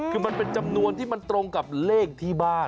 คือมันเป็นจำนวนที่มันตรงกับเลขที่บ้าน